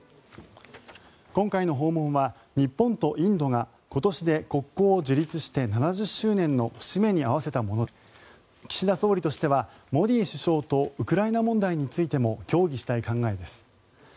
今回の訪問は、日本とインドが今年で国交樹立して７０周年の節目に合わせたもので岸田総理としてはモディ首相とウクライナ問題についても協議したい考えです。